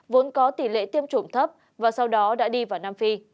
vốn có tỷ lệ tiêm chủng thấp và sau đó đã đi vào nam phi